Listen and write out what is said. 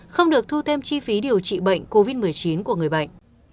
không được thu thêm chi phí điều trị bệnh covid một mươi chín của người bệnh